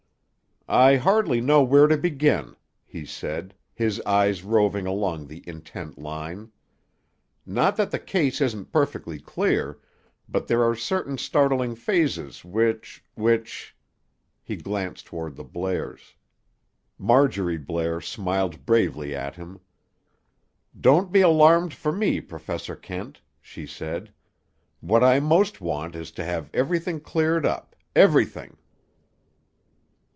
"I hardly know where to begin," he said, his eyes roving along the intent line. "Not that the case isn't perfectly clear; but there are certain startling phases which—which—" He glanced toward the Blairs. Marjorie Blair smiled bravely at him. "Don't be alarmed for me, Professor Kent," she said. "What I most want is to have everything cleared up—everything!"